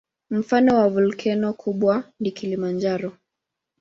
Mfano wa volkeno kubwa ni Kilimanjaro.